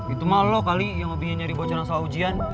itu malu kali yang ngobinya nyari bocoran salah ujian